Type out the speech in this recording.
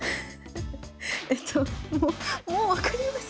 えっともう分かりません。